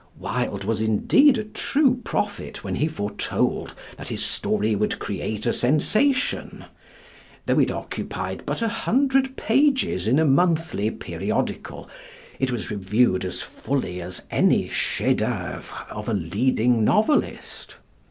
Wilde was indeed a true prophet when he foretold that his story would create a sensation. Though it occupied but a hundred pages in a monthly periodical, it was reviewed as fully as any chef d'oeuvre of a leading novelist.